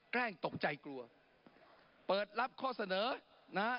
แกล้งตกใจกลัวเปิดรับข้อเสนอนะฮะ